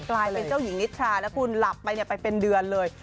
กลายเป็นเจ้าหญิงนิทรานะคุณหลับไปไปเป็นเดือนเลย